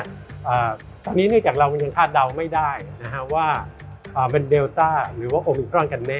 อันนี้เนื่องจากเรามันยังคาดเดาไม่ได้นะฮะว่าเป็นเดลต้าหรือว่าโอมิครอนกันแน่